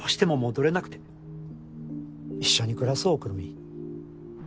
仕一緒に暮らそうくるみ